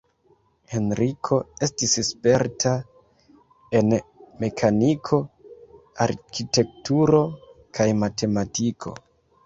Henriko estis sperta en mekaniko, arkitekturo kaj matematiko.